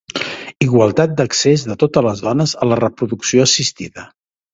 Igualtat d'accés de totes les dones a la reproducció assistida.